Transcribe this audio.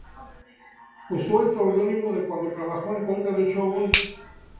Usó el seudónimo de cuando trabajó en contra del shōgun.